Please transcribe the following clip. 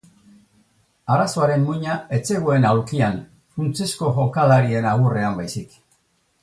Arazoaren muina ez zegoen aulkian, funtsezko jokalarien agurrean baizik.